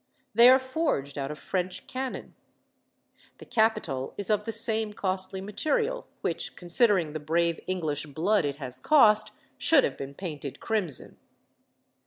They are forged out of French cannon. The capital is of the same costly material, which, considering the brave English blood it has cost, should have been painted crimson.